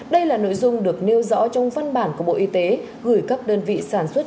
đây là nội dung được nêu rõ trong văn bản của bộ y tế gửi các đơn vị sản xuất